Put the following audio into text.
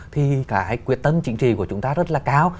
thì cái quyết tâm trịnh trì của chúng ta rất là cao